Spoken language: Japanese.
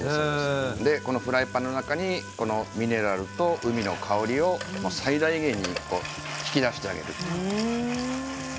フライパンの中にミネラルと海の香りを最大限に引き出してあげる。